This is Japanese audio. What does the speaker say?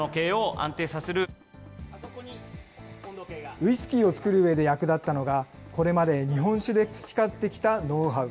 ウイスキーを造るうえで役立ったのが、これまで日本酒で培ってきたノウハウ。